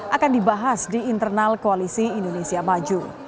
akan dibahas di internal koalisi indonesia maju